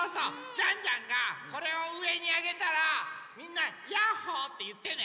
ジャンジャンがこれをうえにあげたらみんな「やっほー」っていってね。